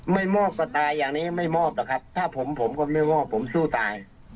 มอบก็ตายอย่างนี้ไม่มอบหรอกครับถ้าผมผมก็ไม่มอบผมสู้ตาย